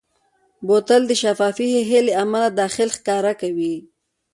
بوتل د شفافې ښیښې له امله داخل ښکاره کوي.